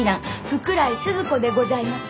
福来スズ子でございます。